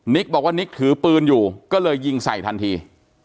บอกว่านิกถือปืนอยู่ก็เลยยิงใส่ทันที